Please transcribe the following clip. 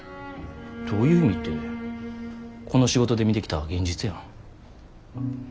どういう意味ってこの仕事で見てきた現実やん。